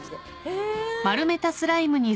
へぇ。